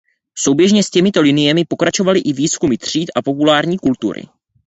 Souběžně s těmito liniemi pokračovaly i výzkumy tříd a populární kultury.